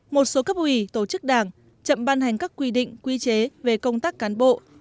một số cấp ủy tổ chức đảng chậm ban hành các quy định quy chế về công tác cán bộ